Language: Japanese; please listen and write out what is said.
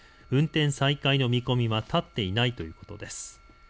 運転再開の見込みは立っていないということです。